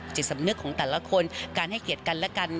จิตสำนึกของแต่ละคนการให้เกียรติกันและกัน